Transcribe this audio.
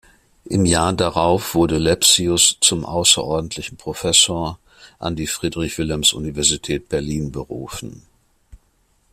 Im Jahr darauf wurde Lepsius zum außerordentlichen Professor an die Friedrich-Wilhelms-Universität Berlin berufen.